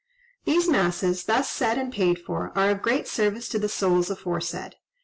"These masses, thus said and paid for, are of great service to the souls aforesaid.